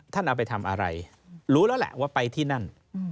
เอาไปทำอะไรรู้แล้วแหละว่าไปที่นั่น